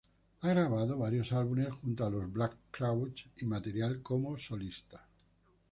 Ha grabado varios álbumes junto a los Black Crowes, y material como solista.